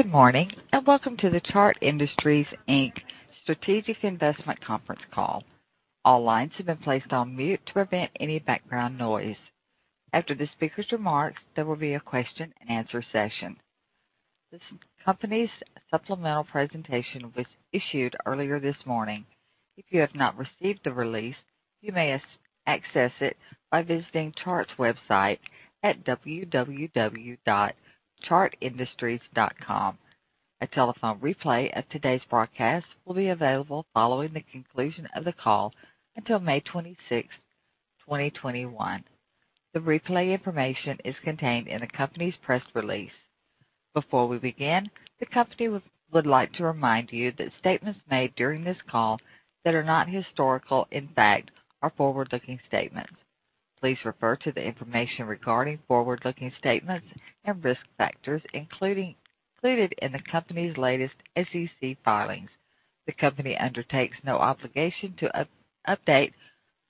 Good morning and welcome to the Chart Industries Inc. Strategic Investment Conference call. All lines have been placed on mute to prevent any background noise. After the speaker's remarks, there will be a question-and-answer session. This company's supplemental presentation was issued earlier this morning. If you have not received the release, you may access it by visiting Chart's website at www.chartindustries.com. A telephone replay of today's broadcast will be available following the conclusion of the call until May 26th, 2021. The replay information is contained in the company's press release. Before we begin, the company would like to remind you that statements made during this call that are not historical, in fact, are forward-looking statements. Please refer to the information regarding forward-looking statements and risk factors included in the company's latest SEC filings. The company undertakes no obligation to update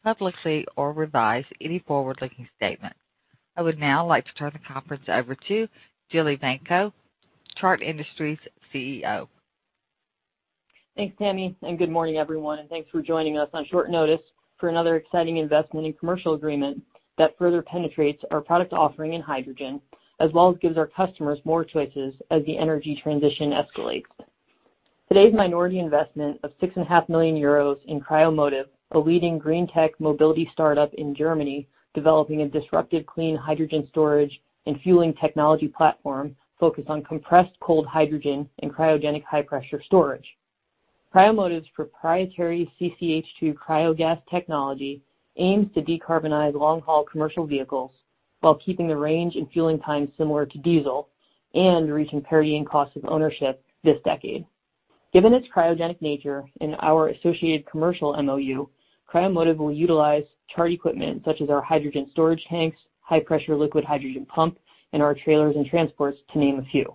publicly or revise any forward-looking statements. I would now like to turn the conference over to Jillian Evanko, Chart Industries CEO. Thanks, Tammy, and good morning, everyone. Thanks for joining us on short notice for another exciting investment in commercial agreement that further penetrates our product offering in hydrogen, as well as gives our customers more choices as the energy transition escalates. Today's minority investment of 6.5 million euros in Cryomotive, a leading green tech mobility startup in Germany developing a disruptive clean hydrogen storage and fueling technology platform focused on compressed cold hydrogen and cryogenic high-pressure storage. Cryomotive's proprietary CcH2 CryoGas technology aims to decarbonize long-haul commercial vehicles while keeping the range and fueling time similar to diesel and reaching per diem cost of ownership this decade. Given its cryogenic nature in our associated commercial MOU, Cryomotive will utilize Chart equipment such as our hydrogen storage tanks, high-pressure liquid hydrogen pump, and our trailers and transports, to name a few.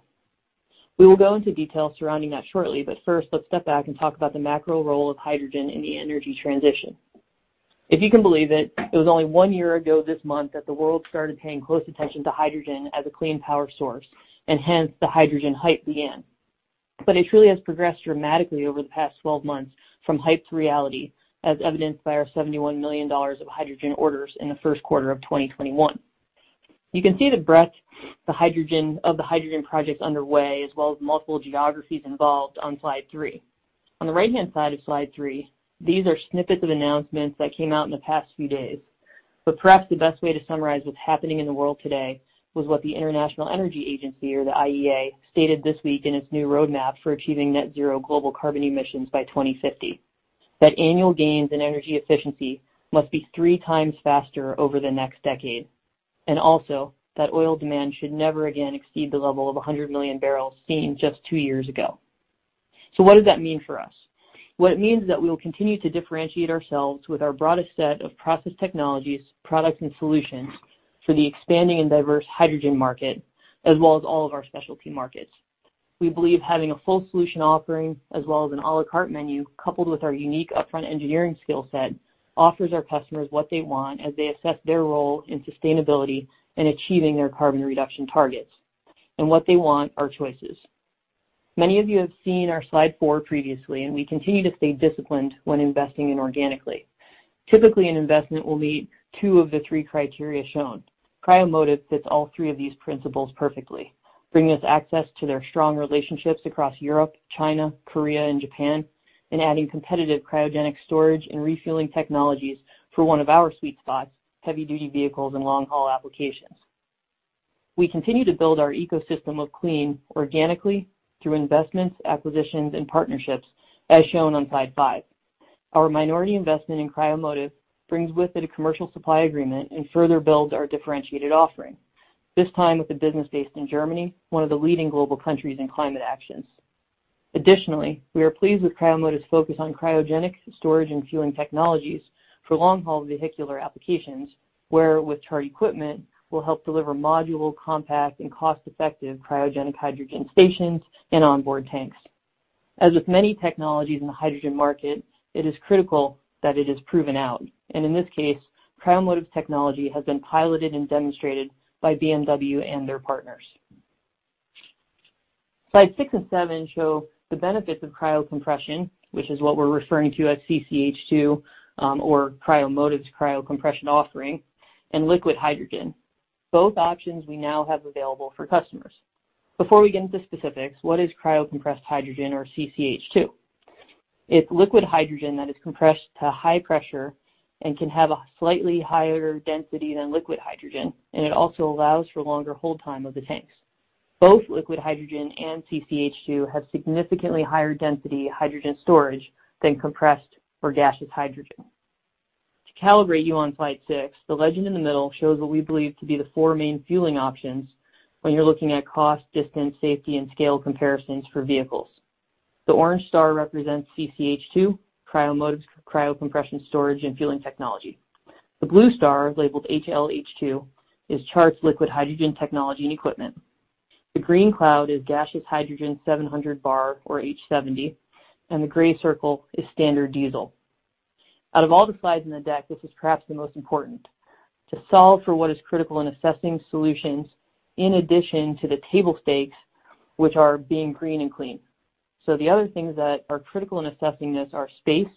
We will go into detail surrounding that shortly, but first, let's step back and talk about the macro role of hydrogen in the energy transition. If you can believe it, it was only one year ago this month that the world started paying close attention to hydrogen as a clean power source, and hence the hydrogen hype began. But it truly has progressed dramatically over the past 12 months from hype to reality, as evidenced by our $71 million of hydrogen orders in the Q1 of 2021. You can see the breadth of the hydrogen projects underway, as well as multiple geographies involved on slide three. On the right-hand side of slide three, these are snippets of announcements that came out in the past few days. But perhaps the best way to summarize what's happening in the world today was what the International Energy Agency, or the IEA, stated this week in its new roadmap for achieving net-zero global carbon emissions by 2050: that annual gains in energy efficiency must be three times faster over the next decade, and also that oil demand should never again exceed the level of 100 million barrels seen just two years ago. So what does that mean for us? What it means is that we will continue to differentiate ourselves with our broadest set of process technologies, products, and solutions for the expanding and diverse hydrogen market, as well as all of our specialty markets. We believe having a full solution offering, as well as an à la carte menu coupled with our unique upfront engineering skill set, offers our customers what they want as they assess their role in sustainability and achieving their carbon reduction targets. What they want are choices. Many of you have seen our slide 4 previously, and we continue to stay disciplined when investing inorganically. Typically, an investment will meet two of the three criteria shown. Cryomotive fits all three of these principles perfectly, bringing us access to their strong relationships across Europe, China, Korea, and Japan, and adding competitive cryogenic storage and refueling technologies for one of our sweet spots, heavy-duty vehicles, and long-haul applications. We continue to build our ecosystem of clean organically through investments, acquisitions, and partnerships, as shown on slide 5. Our minority investment in Cryomotive brings with it a commercial supply agreement and further builds our differentiated offering, this time with a business based in Germany, one of the leading global countries in climate actions. Additionally, we are pleased with Cryomotive's focus on cryogenic storage and fueling technologies for long-haul vehicular applications, where, with Chart equipment, we'll help deliver modular, compact, and cost-effective cryogenic hydrogen stations and onboard tanks. As with many technologies in the hydrogen market, it is critical that it is proven out. In this case, Cryomotive's technology has been piloted and demonstrated by BMW and their partners. Slides 6 and 7 show the benefits of cryo-compression, which is what we're referring to as CCH2, or Cryomotive's cryo-compression offering, and liquid hydrogen, both options we now have available for customers. Before we get into specifics, what is cryo-compressed hydrogen, or CCH2? It's liquid hydrogen that is compressed to high pressure and can have a slightly higher density than liquid hydrogen, and it also allows for longer hold time of the tanks. Both liquid hydrogen and CCH2 have significantly higher density hydrogen storage than compressed or gaseous hydrogen. To calibrate you on slide 6, the legend in the middle shows what we believe to be the four main fueling options when you're looking at cost, distance, safety, and scale comparisons for vehicles. The orange star represents CCH2, Cryomotive's cryocompression storage and fueling technology. The blue star, labeled HLH2, is Chart's liquid hydrogen technology and equipment. The green cloud is gaseous hydrogen 700 bar, or H70, and the gray circle is standard diesel. Out of all the slides in the deck, this is perhaps the most important: to solve for what is critical in assessing solutions in addition to the table stakes, which are being green and clean. So the other things that are critical in assessing this are space,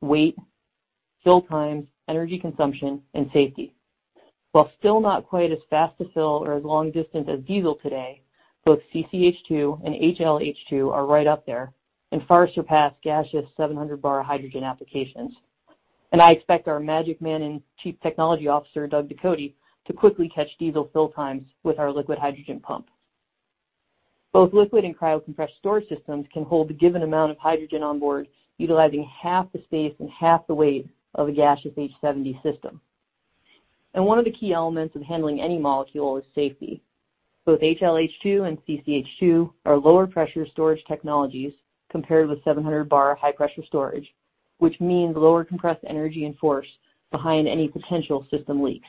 weight, fill times, energy consumption, and safety. While still not quite as fast to fill or as long-distance as diesel today, both CCH2 and HLH2 are right up there and far surpass gaseous 700 bar hydrogen applications. And I expect our magic man and Chief Technology Officer, Doug Ducote, to quickly catch diesel fill times with our liquid hydrogen pump. Both liquid and cryocompressed storage systems can hold the given amount of hydrogen onboard utilizing half the space and half the weight of a gaseous H70 system. And one of the key elements of handling any molecule is safety. Both HLH2 and CCH2 are lower-pressure storage technologies compared with 700 bar high-pressure storage, which means lower compressed energy and force behind any potential system leaks.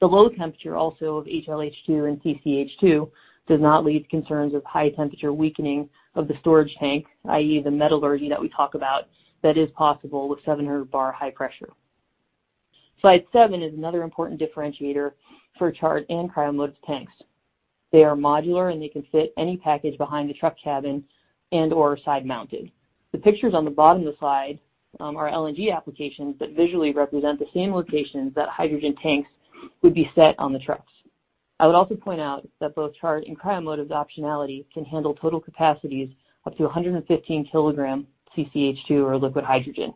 The low temperature also of HLH2 and CCH2 does not lead to concerns of high-temperature weakening of the storage tank, i.e., the metallurgy that we talk about that is possible with 700 bar high pressure. Slide 7 is another important differentiator for Chart and Cryomotive's tanks. They are modular, and they can fit any package behind the truck cabin and/or side-mounted. The pictures on the bottom of the slide are LNG applications that visually represent the same locations that hydrogen tanks would be set on the trucks. I would also point out that both Chart and Cryomotive's optionality can handle total capacities up to 115 kg CCH2 or liquid hydrogen.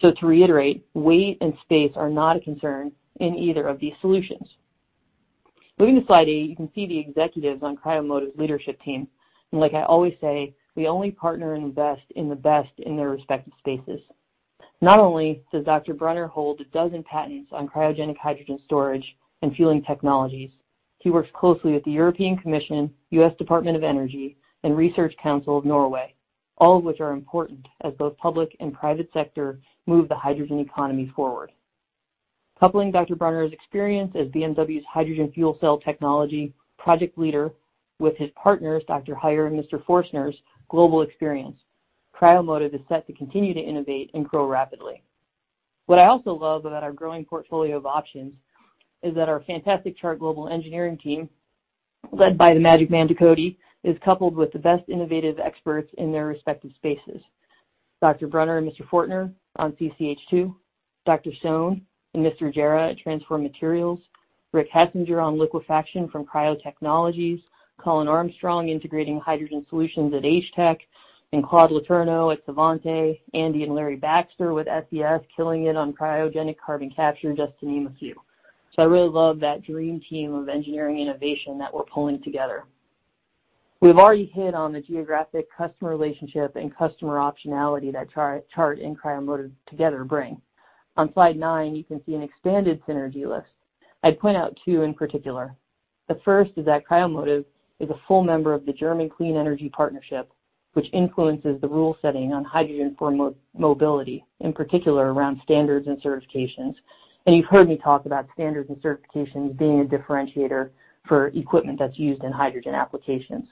So to reiterate, weight and space are not a concern in either of these solutions. Moving to slide 8, you can see the executives on Cryomotive's leadership team. Like I always say, we only partner and invest in the best in their respective spaces. Not only does Dr. Brunner hold a dozen patents on cryogenic hydrogen storage and fueling technologies, he works closely with the European Commission, U.S. Department of Energy, and Research Council of Norway, all of which are important as both public and private sector move the hydrogen economy forward. Coupling Dr. Brunner's experience as BMW's hydrogen fuel cell technology project leader with his partners, Dr. Heyer and Mr. Forstner's global experience, Cryomotive is set to continue to innovate and grow rapidly. What I also love about our growing portfolio of options is that our fantastic Chart global engineering team led by the magic man Ducote is coupled with the best innovative experts in their respective spaces: Dr. Brunner and Mr. Forstner on CCH2, Dr. Soane and Mr. Jarratt at Transform Materials, Rick Hassinger on Liquefaction from Cryo Technologies, Colin Armstrong integrating hydrogen solutions at HTEC, and Claude Letourneau at Svante, Andy and Larry Baxter with SES killing it on cryogenic carbon capture, just to name a few. So I really love that dream team of engineering innovation that we're pulling together. We've already hit on the geographic customer relationship and customer optionality that Chart and Cryomotive together bring. On slide 9, you can see an expanded synergy list. I'd point out two in particular. The first is that Cryomotive is a full member of the German Clean Energy Partnership, which influences the rule setting on hydrogen mobility, in particular around standards and certifications. And you've heard me talk about standards and certifications being a differentiator for equipment that's used in hydrogen applications.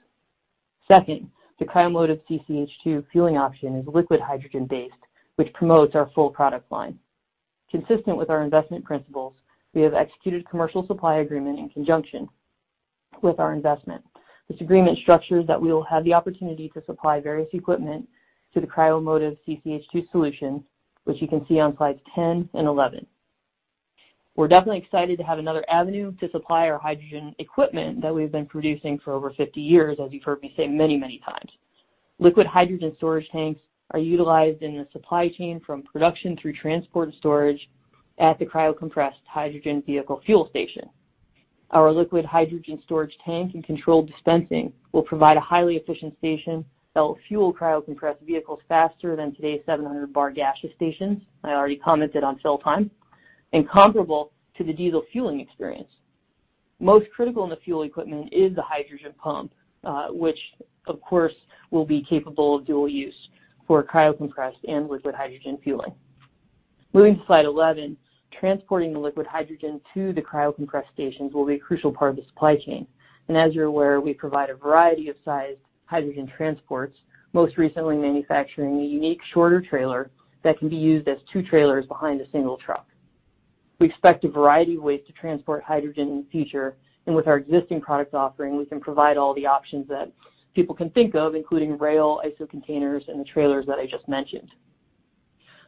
Second, the Cryomotive CCH2 fueling option is liquid hydrogen-based, which promotes our full product line. Consistent with our investment principles, we have executed a commercial supply agreement in conjunction with our investment. This agreement structures that we will have the opportunity to supply various equipment to the Cryomotive CCH2 solution, which you can see on slides 10 and 11. We're definitely excited to have another avenue to supply our hydrogen equipment that we've been producing for over 50 years, as you've heard me say many, many times. Liquid hydrogen storage tanks are utilized in the supply chain from production through transport and storage at the cryocompressed hydrogen vehicle fuel station. Our liquid hydrogen storage tank and controlled dispensing will provide a highly efficient station that will fuel cryocompressed vehicles faster than today's 700 bar gaseous stations - I already commented on fill time - and comparable to the diesel fueling experience. Most critical in the fuel equipment is the hydrogen pump, which, of course, will be capable of dual use for cryocompressed and liquid hydrogen fueling. Moving to slide 11, transporting the liquid hydrogen to the cryocompressed stations will be a crucial part of the supply chain. As you're aware, we provide a variety of sized hydrogen transports, most recently manufacturing a unique shorter trailer that can be used as 2 trailers behind a single truck. We expect a variety of ways to transport hydrogen in the future. And with our existing product offering, we can provide all the options that people can think of, including rail, isocontainers, and the trailers that I just mentioned.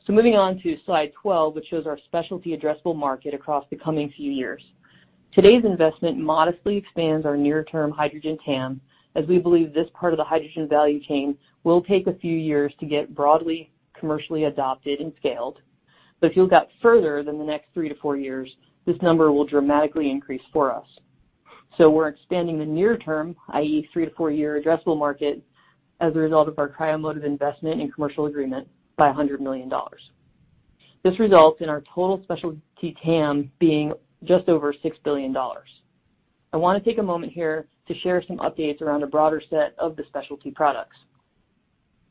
So moving on to slide 12, which shows our specialty addressable market across the coming few years. Today's investment modestly expands our near-term hydrogen TAM, as we believe this part of the hydrogen value chain will take a few years to get broadly commercially adopted and scaled. But if you look out further than the next 3-4 years, this number will dramatically increase for us. So we're expanding the near-term, i.e., 3-4-year addressable market as a result of our Cryomotive investment and commercial agreement by $100 million. This results in our total specialty TAM being just over $6 billion. I want to take a moment here to share some updates around a broader set of the specialty products.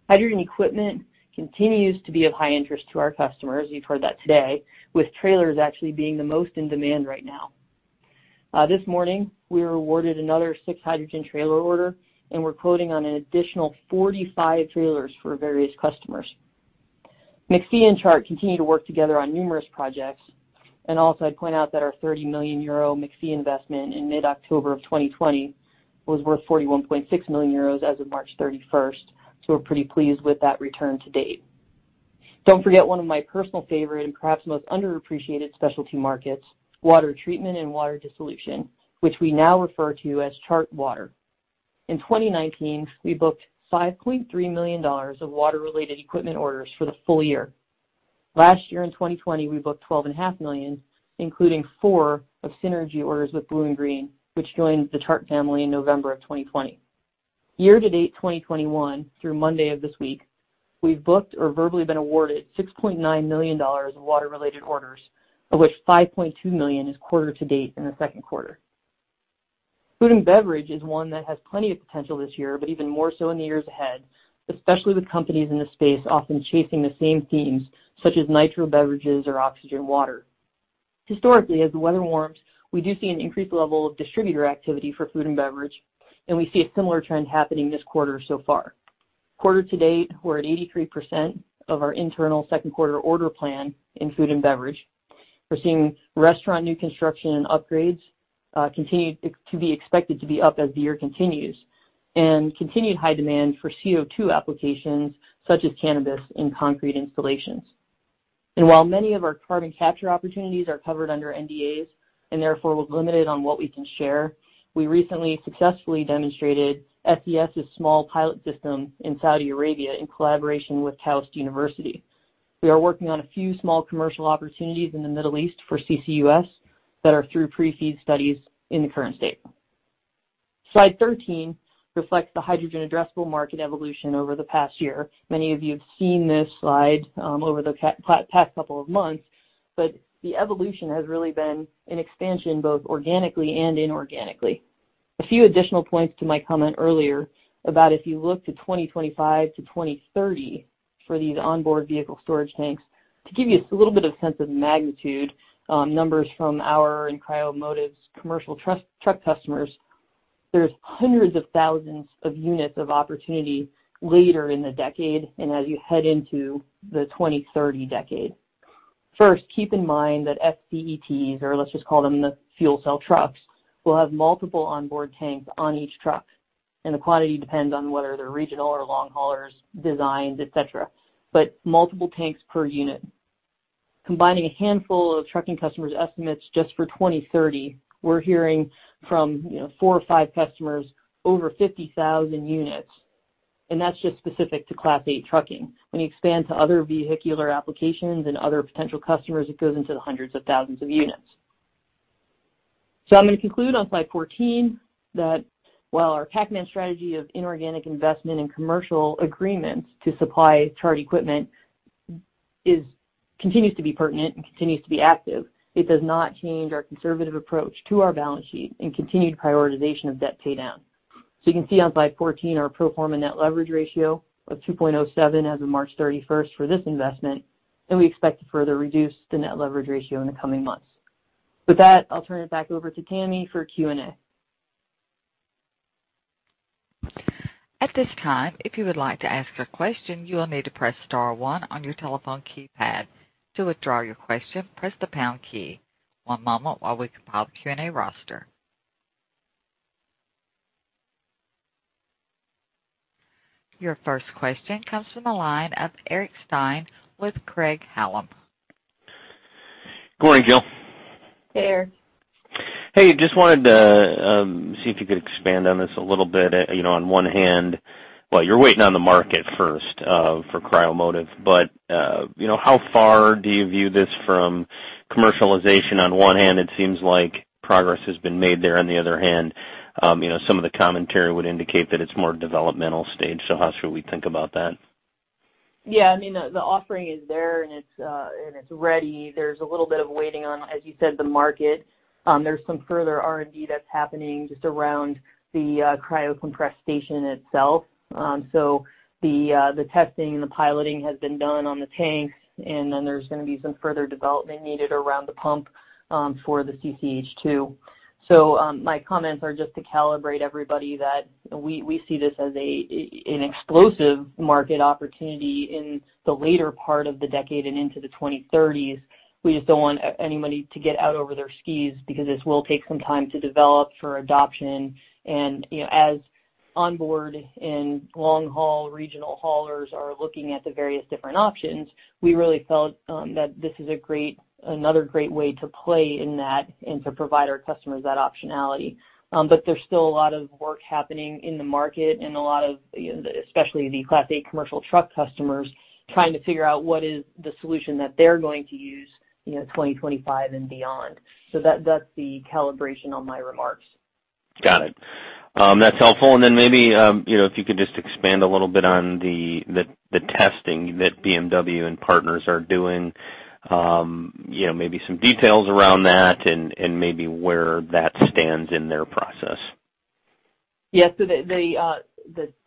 Hydrogen equipment continues to be of high interest to our customers - you've heard that today - with trailers actually being the most in demand right now. This morning, we were awarded another 6 hydrogen trailer order, and we're quoting on an additional 45 trailers for various customers. McPhy and Chart continue to work together on numerous projects. And also, I'd point out that our 30 million euro McPhy investment in mid-October of 2020 was worth 41.6 million euros as of March 31st. So we're pretty pleased with that return to date. Don't forget one of my personal favorite and perhaps most underappreciated specialty markets: water treatment and water dissolution, which we now refer to as ChartWater. In 2019, we booked $5.3 million of water-related equipment orders for the full year. Last year, in 2020, we booked $12.5 million, including 4 synergy orders with BlueInGreen, which joined the Chart family in November of 2020. Year-to-date 2021, through Monday of this week, we've booked or verbally been awarded $6.9 million of water-related orders, of which $5.2 million is quarter-to-date in the Q2. Food and beverage is one that has plenty of potential this year, but even more so in the years ahead, especially with companies in the space often chasing the same themes such as nitro beverages or oxygen water. Historically, as the weather warms, we do see an increased level of distributor activity for food and beverage, and we see a similar trend happening this quarter so far. Quarter-to-date, we're at 83% of our internal second-quarter order plan in food and beverage. We're seeing restaurant new construction and upgrades continue to be expected to be up as the year continues, and continued high demand for CO2 applications such as cannabis in concrete installations. While many of our carbon capture opportunities are covered under NDAs and therefore we're limited on what we can share, we recently successfully demonstrated SES's small pilot system in Saudi Arabia in collaboration with KAUST. We are working on a few small commercial opportunities in the Middle East for CCUS that are through pre-FEED studies in the current state. Slide 13 reflects the hydrogen addressable market evolution over the past year. Many of you have seen this slide over the past couple of months, but the evolution has really been an expansion both organically and inorganically. A few additional points to my comment earlier about if you look to 2025 to 2030 for these onboard vehicle storage tanks. To give you a little bit of sense of magnitude, numbers from our and Cryomotive's commercial truck customers, there's hundreds of thousands of units of opportunity later in the decade and as you head into the 2030 decade. First, keep in mind that FCETs, or let's just call them the fuel cell trucks, will have multiple onboard tanks on each truck. The quantity depends on whether they're regional or long haulers, designs, etc., but multiple tanks per unit. Combining a handful of trucking customers' estimates just for 2030, we're hearing from four or five customers over 50,000 units. That's just specific to Class 8 trucking. When you expand to other vehicular applications and other potential customers, it goes into the hundreds of thousands of units. I'm going to conclude on slide 14 that while our Pac-Man strategy of inorganic investment and commercial agreements to supply Chart equipment continues to be pertinent and continues to be active, it does not change our conservative approach to our balance sheet and continued prioritization of debt paydown. You can see on slide 14 our pro forma net leverage ratio of 2.07 as of March 31st for this investment, and we expect to further reduce the net leverage ratio in the coming months. With that, I'll turn it back over to Tammy for Q&A. At this time, if you would like to ask a question, you will need to press star one on your telephone keypad. To withdraw your question, press the pound key. One moment while we compile the Q&A roster. Your first question comes from the line of Eric Stine with Craig-Hallum. Good morning, Jill. Hey, Eric. Hey, just wanted to see if you could expand on this a little bit. On one hand, well, you're waiting on the market first for Cryomotive, but how far do you view this from commercialization? On one hand, it seems like progress has been made there. On the other hand, some of the commentary would indicate that it's more developmental stage. So how should we think about that? Yeah. I mean, the offering is there, and it's ready. There's a little bit of waiting on, as you said, the market. There's some further R&D that's happening just around the cryocompressed station itself. So the testing and the piloting has been done on the tanks, and then there's going to be some further development needed around the pump for the CCH2. So my comments are just to calibrate everybody that we see this as an explosive market opportunity in the later part of the decade and into the 2030s. We just don't want anybody to get out over their skis because this will take some time to develop for adoption. And as onboard and long haul regional haulers are looking at the various different options, we really felt that this is another great way to play in that and to provide our customers that optionality. But there's still a lot of work happening in the market and a lot of, especially the Class 8 commercial truck customers, trying to figure out what is the solution that they're going to use 2025 and beyond. So that's the calibration on my remarks. Got it. That's helpful. And then maybe if you could just expand a little bit on the testing that BMW and partners are doing, maybe some details around that and maybe where that stands in their process? Yeah. So the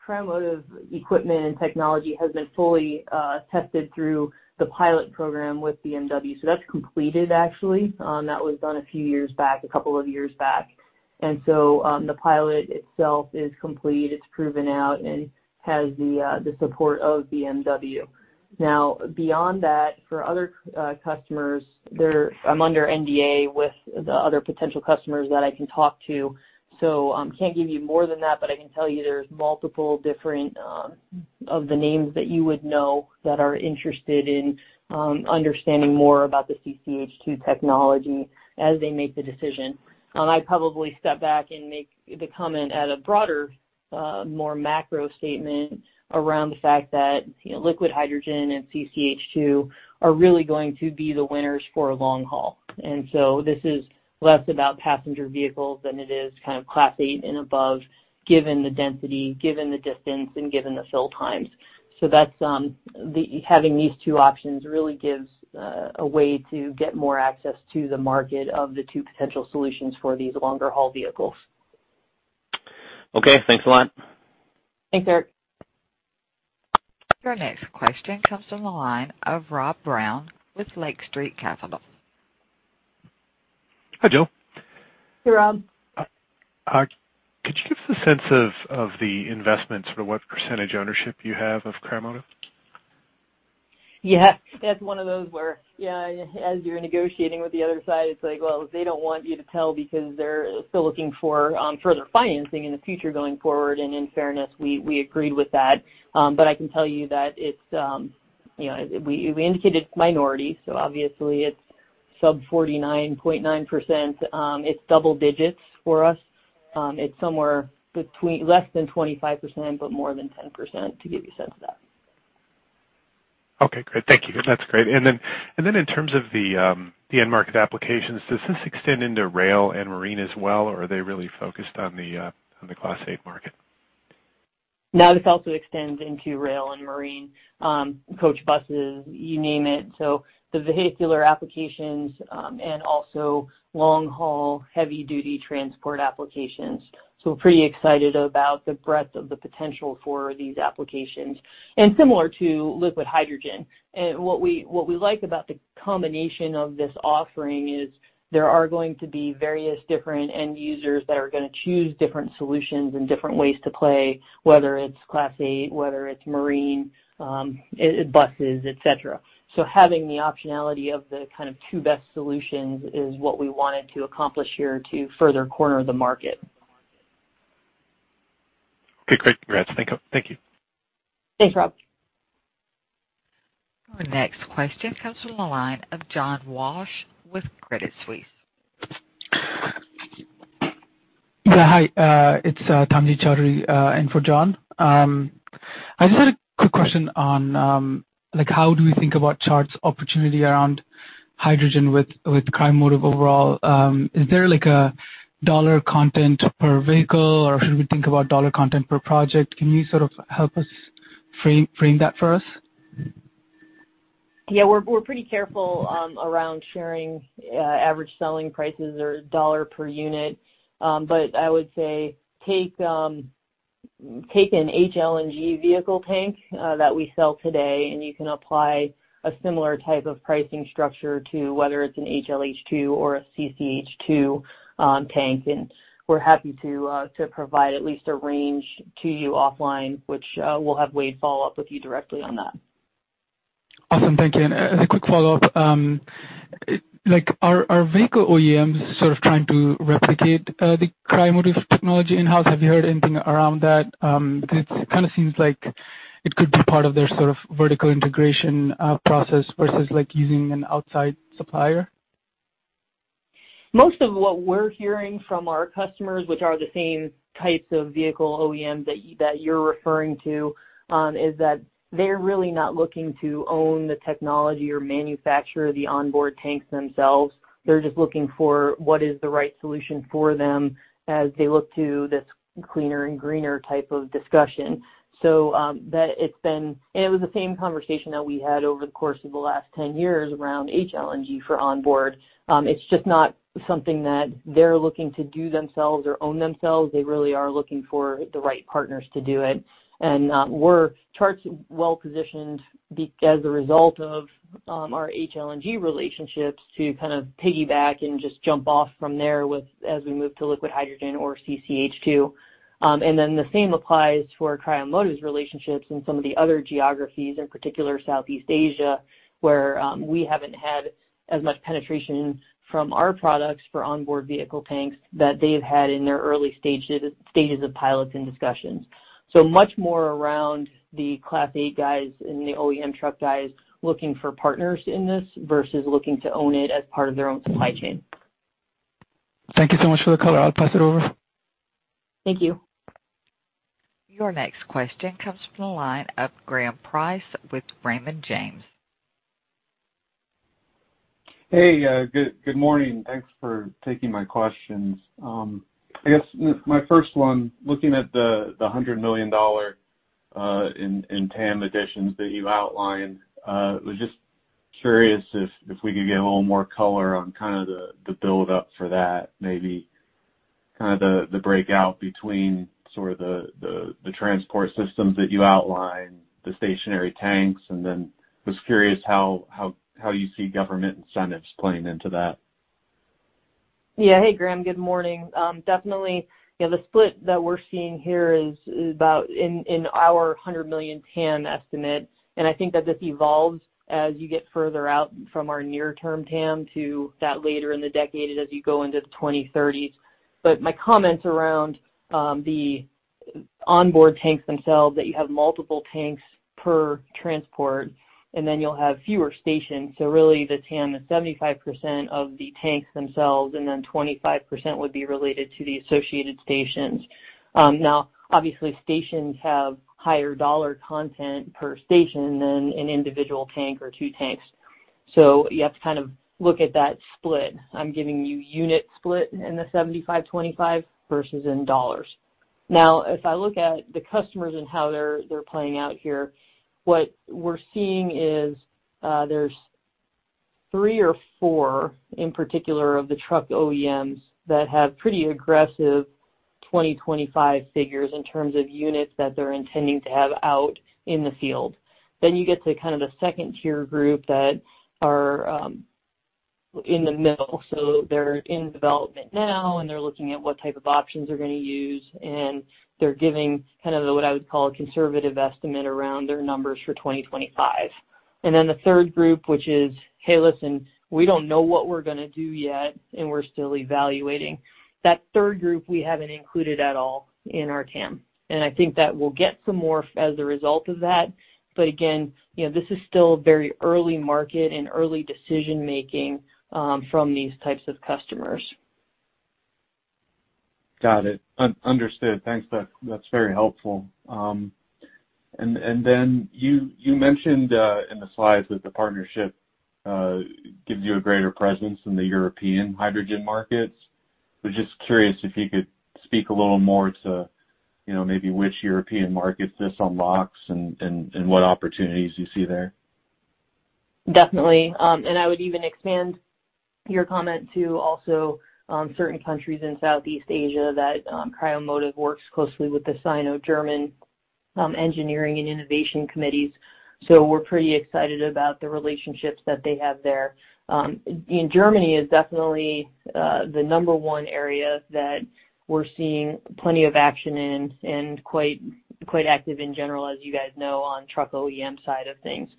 Cryomotive equipment and technology has been fully tested through the pilot program with BMW. So that's completed, actually. That was done a few years back, a couple of years back. And so the pilot itself is complete. It's proven out and has the support of BMW. Now, beyond that, for other customers, I'm under NDA with the other potential customers that I can talk to. So I can't give you more than that, but I can tell you there's multiple different of the names that you would know that are interested in understanding more about the CCH2 technology as they make the decision. I'd probably step back and make the comment at a broader, more macro statement around the fact that liquid hydrogen and CCH2 are really going to be the winners for long haul. And so this is less about passenger vehicles than it is kind of Class 8 and above, given the density, given the distance, and given the fill times. So having these two options really gives a way to get more access to the market of the two potential solutions for these longer haul vehicles. Okay. Thanks a lot. Thanks, Eric. Your next question comes from the line of Rob Brown with Lake Street Capital Markets. Hi, Jill. Hey, Rob. Could you give us a sense of the investment, sort of what percentage ownership you have of Cryomotive? Yeah. That's one of those where, yeah, as you're negotiating with the other side, it's like, "Well, they don't want you to tell because they're still looking for further financing in the future going forward." And in fairness, we agreed with that. But I can tell you that we indicated minority. So obviously, it's sub 49.9%. It's double digits for us. It's somewhere between less than 25% but more than 10%, to give you a sense of that. Okay. Great. Thank you. That's great. And then in terms of the end-market applications, does this extend into rail and marine as well, or are they really focused on the Class 8 market? Now, this also extends into rail and marine, coach buses, you name it. So the vehicular applications and also long haul heavy-duty transport applications. So we're pretty excited about the breadth of the potential for these applications, and similar to liquid hydrogen. And what we like about the combination of this offering is there are going to be various different end users that are going to choose different solutions and different ways to play, whether it's Class 8, whether it's marine, buses, etc. So having the optionality of the kind of two best solutions is what we wanted to accomplish here to further corner the market. Okay. Great. Congrats. Thank you. Thanks, Rob. Your next question comes from the line of John Walsh with Credit Suisse. Yeah. Hi. It's Tamjid Chowdhury. For John, I just had a quick question on how do we think about Chart's opportunity around hydrogen with Cryomotive overall? Is there a dollar content per vehicle, or should we think about dollar content per project? Can you sort of help us frame that for us? Yeah. We're pretty careful around sharing average selling prices or $ per unit. But I would say take an HLNG vehicle tank that we sell today, and you can apply a similar type of pricing structure to whether it's an HLH2 or a CCH2 tank. And we're happy to provide at least a range to you offline, which we'll have Wade follow up with you directly on that. Awesome. Thank you. As a quick follow-up, are vehicle OEMs sort of trying to replicate the Cryomotive technology in-house? Have you heard anything around that? It kind of seems like it could be part of their sort of vertical integration process versus using an outside supplier. Most of what we're hearing from our customers, which are the same types of vehicle OEMs that you're referring to, is that they're really not looking to own the technology or manufacture the onboard tanks themselves. They're just looking for what is the right solution for them as they look to this cleaner and greener type of discussion. So it's been and it was the same conversation that we had over the course of the last 10 years around HLNG for onboard. It's just not something that they're looking to do themselves or own themselves. They really are looking for the right partners to do it. And we're Chart's well-positioned as a result of our HLNG relationships to kind of piggyback and just jump off from there as we move to liquid hydrogen or CCH2. And then the same applies for Cryomotive's relationships in some of the other geographies, in particular Southeast Asia, where we haven't had as much penetration from our products for onboard vehicle tanks that they've had in their early stages of pilots and discussions. So much more around the Class 8 guys and the OEM truck guys looking for partners in this versus looking to own it as part of their own supply chain. Thank you so much for the color. I'll pass it over. Thank you. Your next question comes from the line of Graham Price with Raymond James. Hey. Good morning. Thanks for taking my questions. I guess my first one, looking at the $100 million in TAM additions that you outlined, was just curious if we could get a little more color on kind of the buildup for that, maybe kind of the breakout between sort of the transport systems that you outline, the stationary tanks, and then was curious how you see government incentives playing into that. Yeah. Hey, Graham. Good morning. Definitely, the split that we're seeing here is about in our $100 million TAM estimate. I think that this evolves as you get further out from our near-term TAM to that later in the decade as you go into the 2030s. But my comments around the onboard tanks themselves, that you have multiple tanks per transport, and then you'll have fewer stations. So really, the TAM is 75% of the tanks themselves, and then 25% would be related to the associated stations. Now, obviously, stations have higher dollar content per station than an individual tank or two tanks. So you have to kind of look at that split. I'm giving you unit split in the 75/25 versus in dollars. Now, if I look at the customers and how they're playing out here, what we're seeing is there's 3 or 4 in particular of the truck OEMs that have pretty aggressive 2025 figures in terms of units that they're intending to have out in the field. Then you get to kind of the second-tier group that are in the middle. So they're in development now, and they're looking at what type of options they're going to use. And they're giving kind of what I would call a conservative estimate around their numbers for 2025. And then the third group, which is, "Hey, listen. We don't know what we're going to do yet, and we're still evaluating." That third group, we haven't included at all in our TAM. And I think that we'll get some more as a result of that. But again, this is still very early market and early decision-making from these types of customers. Got it. Understood. Thanks. That's very helpful. And then you mentioned in the slides that the partnership gives you a greater presence in the European hydrogen markets. I was just curious if you could speak a little more to maybe which European markets this unlocks and what opportunities you see there. Definitely. I would even expand your comment to also certain countries in Southeast Asia that Cryomotive works closely with the Sino-German Engineering and Innovation Committees. So we're pretty excited about the relationships that they have there. Germany is definitely the number one area that we're seeing plenty of action in and quite active in general, as you guys know, on truck OEM side of things.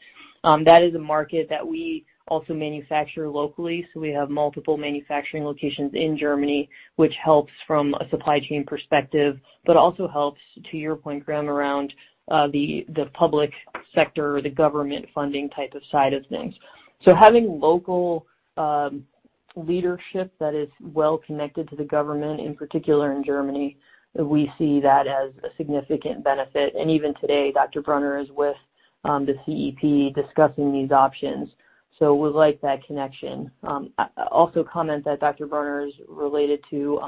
That is a market that we also manufacture locally. So we have multiple manufacturing locations in Germany, which helps from a supply chain perspective but also helps, to your point, Graham, around the public sector or the government funding type of side of things. So having local leadership that is well connected to the government, in particular in Germany, we see that as a significant benefit. And even today, Dr. Brunner is with the CEP discussing these options. So we like that connection. I also comment that Dr. Brunner is related to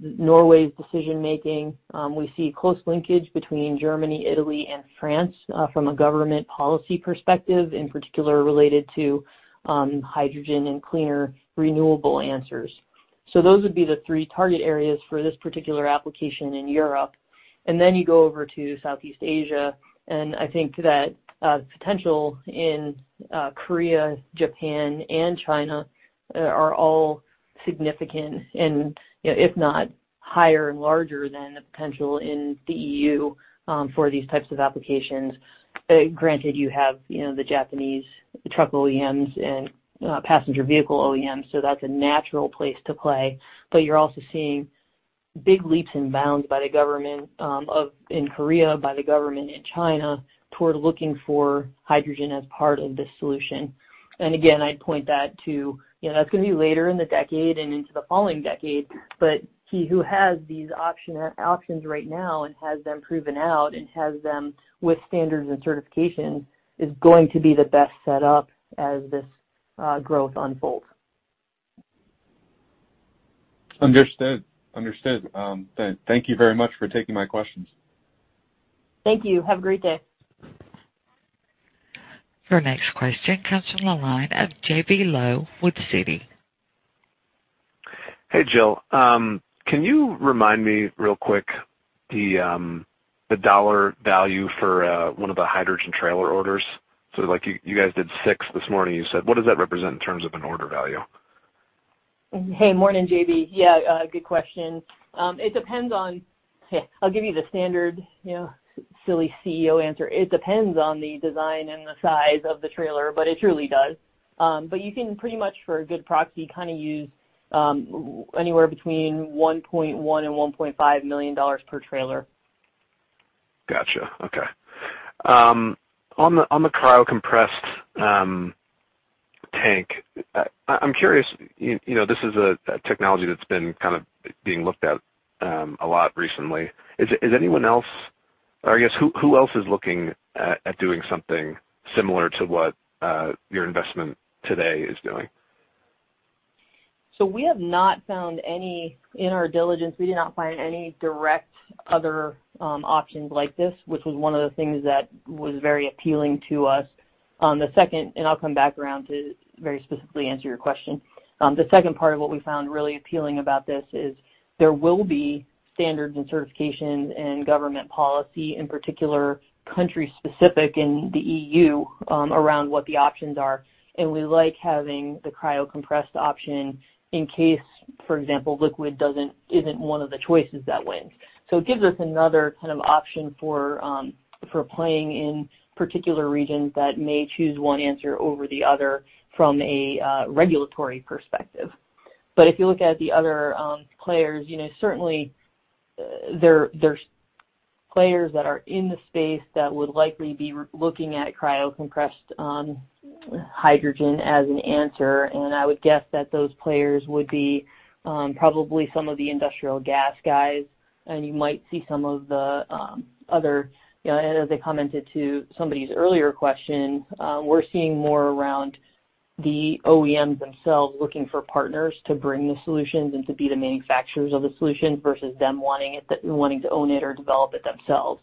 Norway's decision-making. We see close linkage between Germany, Italy, and France from a government policy perspective, in particular related to hydrogen and cleaner renewable answers. So those would be the three target areas for this particular application in Europe. And then you go over to Southeast Asia. And I think that the potential in Korea, Japan, and China are all significant and, if not, higher and larger than the potential in the EU for these types of applications. Granted, you have the Japanese truck OEMs and passenger vehicle OEMs. So that's a natural place to play. But you're also seeing big leaps and bounds in Korea by the government in China toward looking for hydrogen as part of this solution. And again, I'd point that to that's going to be later in the decade and into the following decade. But he who has these options right now and has them proven out and has them with standards and certifications is going to be the best set up as this growth unfolds. Understood. Understood. Thank you very much for taking my questions. Thank you. Have a great day. Your next question comes from the line of J.B. Lowe with Citi. Hey, Jill. Can you remind me real quick the dollar value for one of the hydrogen trailer orders? So you guys did 6 this morning, you said. What does that represent in terms of an order value? Hey, morning, JB. Yeah. Good question. It depends, yeah. I'll give you the standard silly CEO answer. It depends on the design and the size of the trailer, but it truly does. But you can pretty much, for a good proxy, kind of use anywhere between $1.1 million-$1.5 million per trailer. Gotcha. Okay. On the cryocompressed tank, I'm curious. This is a technology that's been kind of being looked at a lot recently. Is anyone else or I guess, who else is looking at doing something similar to what your investment today is doing? We have not found any in our diligence, we did not find any direct other options like this, which was one of the things that was very appealing to us. I'll come back around to very specifically answer your question. The second part of what we found really appealing about this is there will be standards and certifications and government policy, in particular country-specific in the EU, around what the options are. We like having the cryocompressed option in case, for example, liquid isn't one of the choices that wins. It gives us another kind of option for playing in particular regions that may choose one answer over the other from a regulatory perspective. If you look at the other players, certainly, there's players that are in the space that would likely be looking at cryocompressed hydrogen as an answer. And I would guess that those players would be probably some of the industrial gas guys. And you might see some of the others, and as I commented to somebody's earlier question, we're seeing more around the OEMs themselves looking for partners to bring the solutions and to be the manufacturers of the solutions versus them wanting to own it or develop it themselves.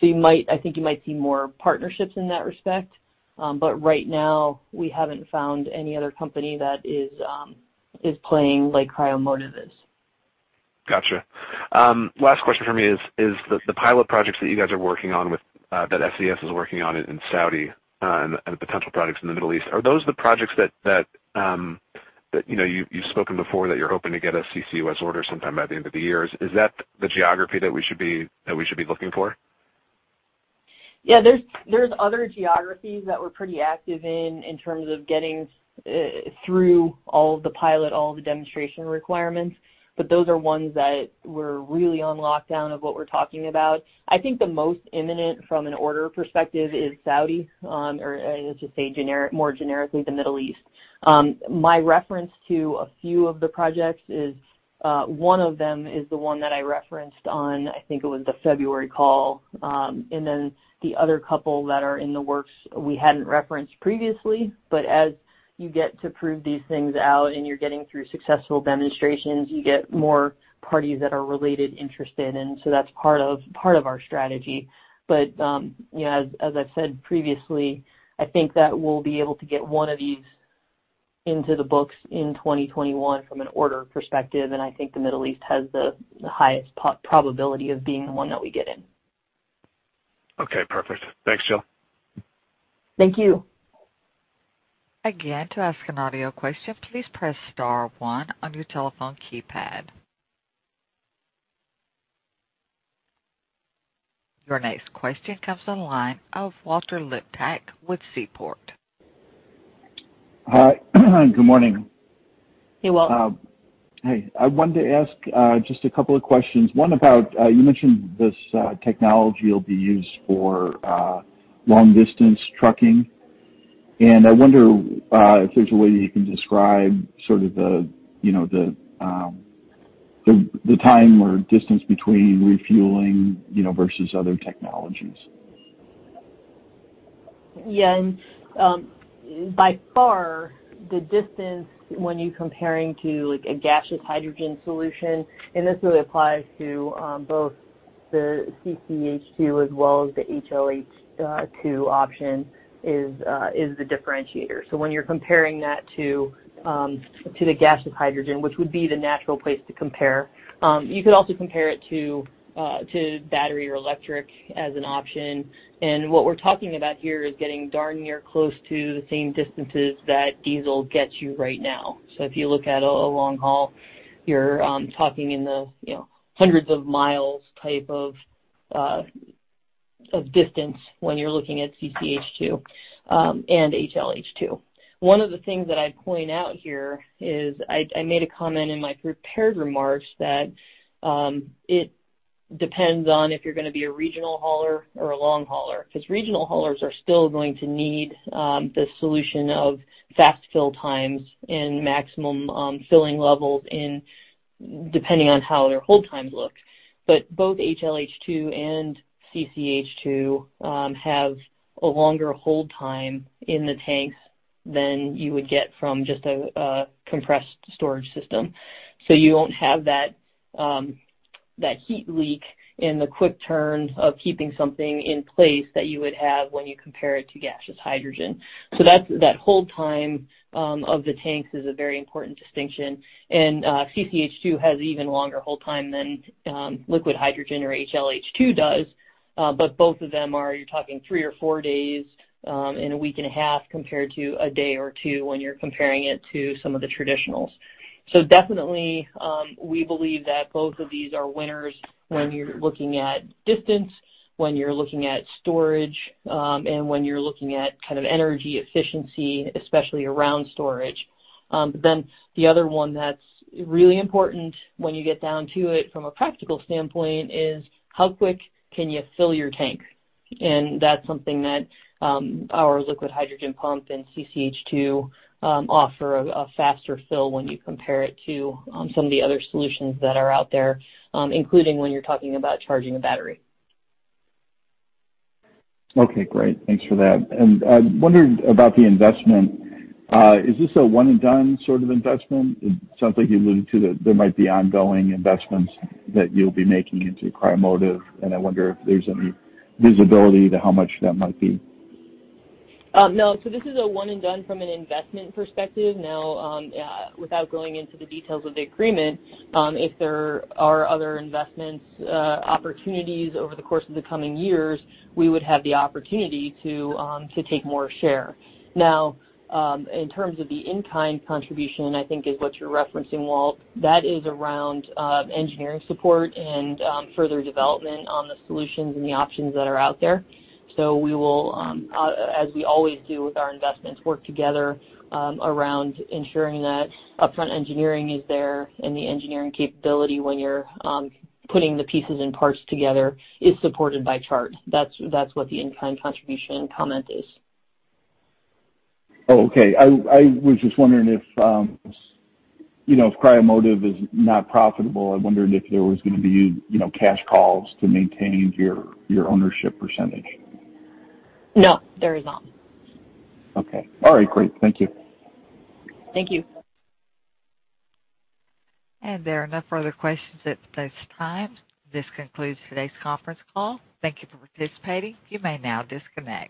So I think you might see more partnerships in that respect. But right now, we haven't found any other company that is playing like Cryomotive is. Gotcha. Last question for me is the pilot projects that you guys are working on with that SES is working on in Saudi and potential projects in the Middle East, are those the projects that you've spoken before that you're hoping to get a CCUS order sometime by the end of the year? Is that the geography that we should be looking for? Yeah. There's other geographies that we're pretty active in in terms of getting through all of the pilot, all of the demonstration requirements. But those are ones that we're really on lockdown of what we're talking about. I think the most imminent from an order perspective is Saudi or let's just say more generically, the Middle East. My reference to a few of the projects is one of them is the one that I referenced on, I think it was the February call. And then the other couple that are in the works we hadn't referenced previously. But as you get to prove these things out and you're getting through successful demonstrations, you get more parties that are related interested. And so that's part of our strategy. But as I've said previously, I think that we'll be able to get one of these into the books in 2021 from an order perspective. And I think the Middle East has the highest probability of being the one that we get in. Okay. Perfect. Thanks, Jill. Thank you. Again, to ask an audio question, please press star one on your telephone keypad. Your next question comes on the line of Walter Liptak with Seaport. Good morning. Hey, Walter. Hey. I wanted to ask just a couple of questions. One about you mentioned this technology will be used for long-distance trucking. I wonder if there's a way that you can describe sort of the time or distance between refueling versus other technologies? Yeah. And by far, the distance when you're comparing to a gaseous hydrogen solution and this really applies to both the CCH2 as well as the HLH2 option is the differentiator. So when you're comparing that to the gaseous hydrogen, which would be the natural place to compare, you could also compare it to battery or electric as an option. And what we're talking about here is getting darn near close to the same distances that diesel gets you right now. So if you look at a long haul, you're talking in the hundreds of miles type of distance when you're looking at CCH2 and HLH2. One of the things that I'd point out here is I made a comment in my prepared remarks that it depends on if you're going to be a regional hauler or a long hauler because regional haulers are still going to need the solution of fast fill times and maximum filling levels depending on how their hold times look. But both HLH2 and CCH2 have a longer hold time in the tanks than you would get from just a compressed storage system. So you won't have that heat leak in the quick turn of keeping something in place that you would have when you compare it to gaseous hydrogen. So that hold time of the tanks is a very important distinction. And CCH2 has even longer hold time than liquid hydrogen or HLH2 does. But both of them are, you're talking three or four days in a week and a half compared to a day or two when you're comparing it to some of the traditionals. So definitely, we believe that both of these are winners when you're looking at distance, when you're looking at storage, and when you're looking at kind of energy efficiency, especially around storage. But then the other one that's really important when you get down to it from a practical standpoint is how quick can you fill your tank? And that's something that our liquid hydrogen pump and CCH2 offer a faster fill when you compare it to some of the other solutions that are out there, including when you're talking about charging a battery. Okay. Great. Thanks for that. And I wondered about the investment. Is this a one-and-done sort of investment? It sounds like you alluded to that there might be ongoing investments that you'll be making into Cryomotive. And I wonder if there's any visibility to how much that might be. No. So this is a one-and-done from an investment perspective. Now, without going into the details of the agreement, if there are other investment opportunities over the course of the coming years, we would have the opportunity to take more share. Now, in terms of the in-kind contribution, I think, is what you're referencing, Walt, that is around engineering support and further development on the solutions and the options that are out there. So we will, as we always do with our investments, work together around ensuring that upfront engineering is there and the engineering capability when you're putting the pieces and parts together is supported by Chart. That's what the in-kind contribution comment is. Oh, okay. I was just wondering if Cryomotive is not profitable, I wondered if there was going to be cash calls to maintain your ownership percentage? No. There is not. Okay. All right. Great. Thank you. Thank you. There are no further questions at this time. This concludes today's conference call. Thank you for participating. You may now disconnect.